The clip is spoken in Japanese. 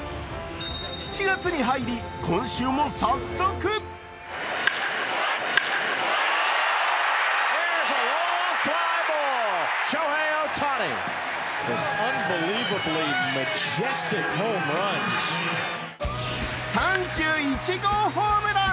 ７月に入り、今週も早速３１号ホームラン。